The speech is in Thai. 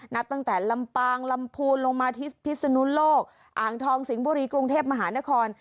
นับตั้งแต่ลำปางลำพูนลงมาที่พิศนุโลกอ่างทองสิงห์บุรีกรุงเทพมหานคร